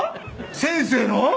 先生の？